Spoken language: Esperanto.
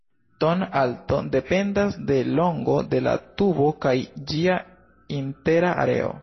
Ton-alto dependas de longo de la tubo kaj ĝia intera areo.